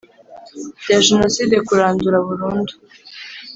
Bya jenoside, kurandura burundu